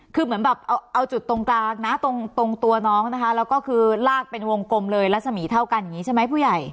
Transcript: คือเหมือนแบบเอาจุดตรงกลางนะตรงตัวน้องนะคะแล้วก็คือลากเป็นวงกลมเลยรัศมีเท่ากันอย่างนี้ใช่ไหมผู้ใหญ่